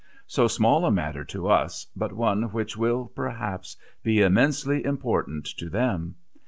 So small a matter to us, but one which will, perhaps, be immensely important to them!